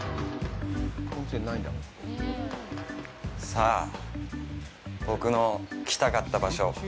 さあ、僕の来たかった場所。